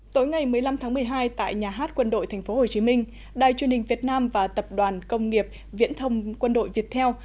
tối ngày một mươi năm tháng một mươi hai tại nhà hát quân đội tp hcm đài truyền hình việt nam và tập đoàn công nghiệp viễn thông quân đội việt theo